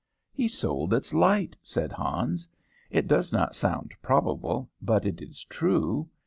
"He sold its light," said Hans. "It does not sound probable, but it is true.